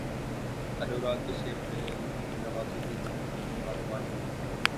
انوراگ کشیپ نے نوازالدین صدیقی کی بات مان لی